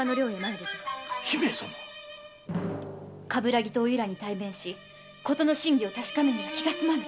鏑木とお由良に対面しことの真偽を確かめねば気がすまぬ。